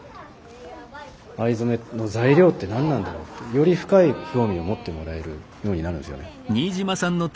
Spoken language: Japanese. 藍染めの材料って何なんだろうってより深い興味を持ってもらえるようになるんですよね。